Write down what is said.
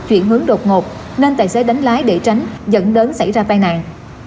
chuyển hướng đột ngột nên tài xế đánh lái để tránh dẫn đến xảy ra tai nạn